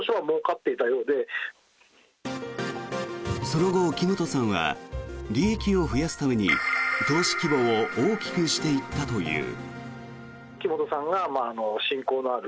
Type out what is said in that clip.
その後、木本さんは利益を増やすために投資規模を大きくしていったという。